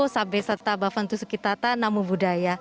sampai setelah bapak fentusukitata namo buddhaya